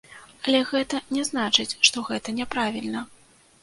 Але гэта не значыць, што гэта няправільна.